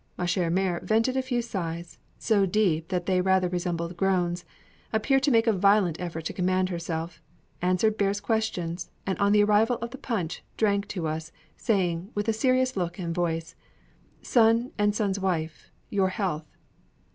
Ma chère mère vented a few sighs, so deep that they rather resembled groans, appeared to make a violent effort to command herself, answered Bear's questions, and on the arrival of the punch, drank to us, saying, with a serious look and voice, "Son and son's wife, your health!"